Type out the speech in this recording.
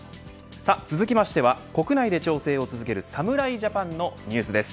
続きましては国内で調整を続ける侍ジャパンのニュースです。